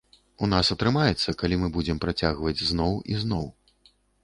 У нас атрымаецца, калі мы будзем працягваць зноў і зноў.